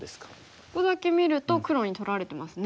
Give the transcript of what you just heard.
ここだけ見ると黒に取られてますね